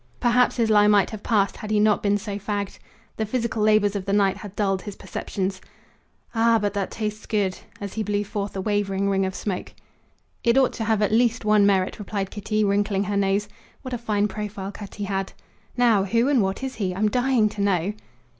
Perhaps his lie might have passed had he not been so fagged. The physical labours of the night had dulled his perceptions. "Ab, but that tastes good!" as he blew forth a wavering ring of smoke. "It ought to have at least one merit," replied Kitty, wrinkling her nose. What a fine profile Cutty had! "Now, who and what is he? I'm dying to know."